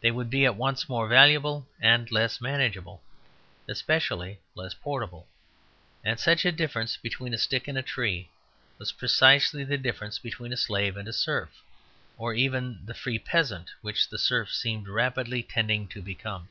They would be at once more valuable and less manageable, especially less portable; and such a difference between a stick and a tree was precisely the difference between a slave and a serf or even the free peasant which the serf seemed rapidly tending to become.